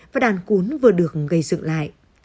và đàn cuốn vừa được gây dựng lại